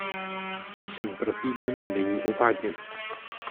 Píseň pro týden není uváděna.